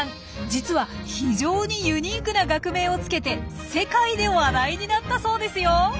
実は非常にユニークな学名をつけて世界で話題になったそうですよ。